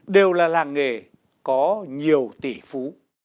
đều là làng nghề có nhiều tỷ phú